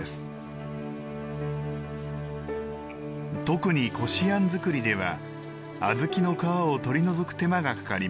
特に、こしあん作りでは小豆の皮を取り除く手間がかかります。